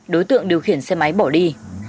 đối tượng điều khiển xe máy bỏ đi